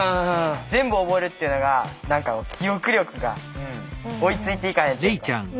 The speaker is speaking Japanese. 全部覚えるっていうのが何か記憶力が追いついていかへんというか。